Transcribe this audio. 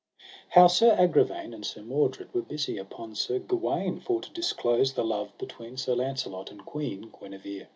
How Sir Agravaine and Sir Mordred were busy upon Sir Gawaine for to disclose the love between Sir Launcelot and Queen Guenever.